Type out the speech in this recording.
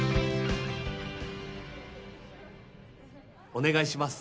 お願いします